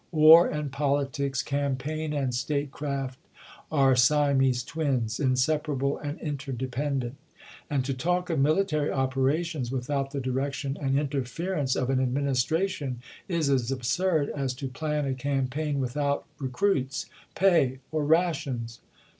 War and politics, campaign and statecraft, are Siamese twins, inseparable and in terdependent; and to talk of miHtary operations without the direction and interference of an Admin istration is as absurd as to plan a campaign with out recruits, pay, or rations.